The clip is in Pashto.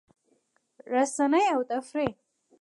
رسنۍ او تفریح